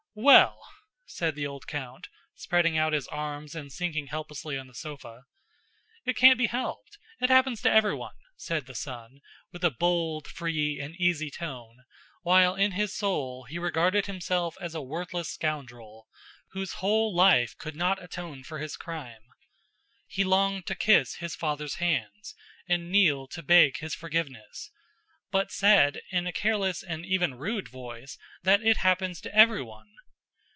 "Well!..." said the old count, spreading out his arms and sinking helplessly on the sofa. "It can't be helped! It happens to everyone!" said the son, with a bold, free, and easy tone, while in his soul he regarded himself as a worthless scoundrel whose whole life could not atone for his crime. He longed to kiss his father's hands and kneel to beg his forgiveness, but said, in a careless and even rude voice, that it happens to everyone!